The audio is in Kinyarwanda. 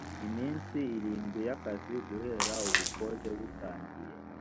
iminsi irindwi y’ akazi guhera ubukode butangiye